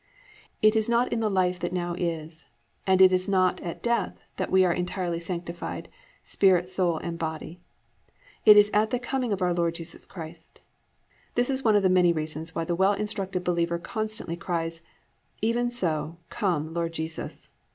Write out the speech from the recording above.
"+ _It is not in the life that now is, and it is not at death, that we are entirely sanctified, spirit, soul, and body. It is at the coming of our Lord Jesus Christ._ This is one of the many reasons why the well instructed believer constantly cries, "_Even so, come, Lord Jesus.